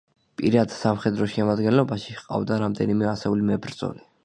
პირად სამხედრო შემადგენლობაში ჰყავდა რამდენიმე ასეული მებრძოლი.